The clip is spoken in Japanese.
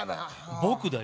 僕だよ。